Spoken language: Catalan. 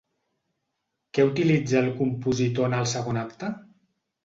Què utilitza el compositor en el segon acte?